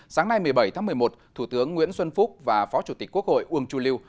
sáng nay một mươi bảy tháng một mươi một thủ tướng nguyễn xuân phúc và phó chủ tịch quốc hội uông chu liêu